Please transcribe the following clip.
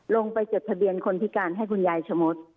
จดทะเบียนคนพิการให้คุณยายชะมด